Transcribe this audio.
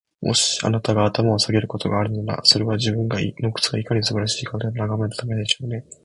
もし、あなたが頭を下げることがあるのなら、それは、自分の靴がいかに素晴らしいかをただ眺めるためでしょうね。